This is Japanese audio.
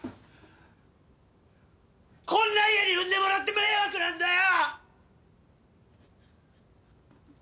こんな家に生んでもらって迷惑なんだよ！！